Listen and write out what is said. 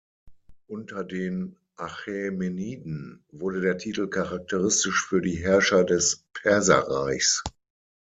Unter den Achämeniden wurde der Titel charakteristisch für die Herrscher des Perserreichs.